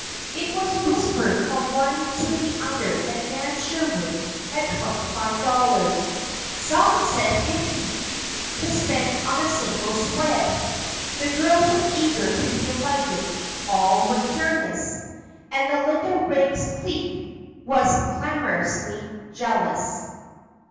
It was whispered from one to the other that Nan Sherwood had twenty five dollars some said fifty to spend on a single "spread." The girls were eager to be invited; all were curious; and the Linda Riggs clique was clamorously jealous.